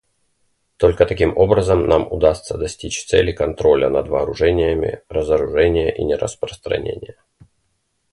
Только таким образом нам удастся достичь цели контроля над вооружениями, разоружения и нераспространения.